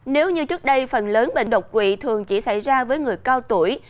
nếu như trước đây phần lớn bệnh độc quỷ thường chỉ xảy ra với người cao tuổi